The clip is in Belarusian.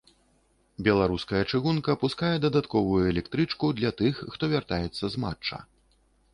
Беларуская чыгунка пускае дадатковую электрычку для тых, хто вяртаецца з матча.